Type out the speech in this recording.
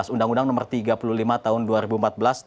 undang undang nomor tiga puluh lima tahun dua ribu empat belas tentang